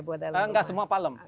buat alam rumah enggak semua palem